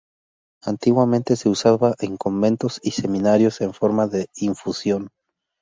Antiguamente se usaba en conventos y seminarios en forma de infusión.